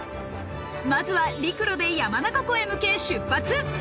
まずは陸路で山中湖へ向け出発。